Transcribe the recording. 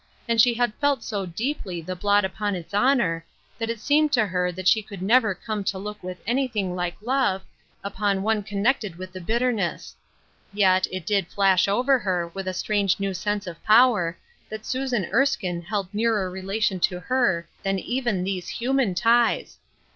d she had felt so deeply the blot upon its honor, that it seemed to her she could never come CO look with anything like love upon one connected with the bitterness. Yet, it did flash over her, with a strange new sense of power, that Susan Erskine held nearer relation to her than even these human ties.